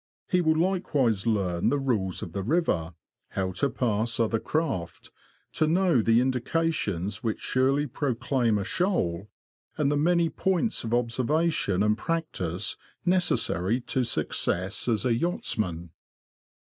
He will like wise learn the rules of the river, how to pass other craft, to know the indications which surely proclaim a shoal, and the many points of observation and practice necessary to success as a yachtsman.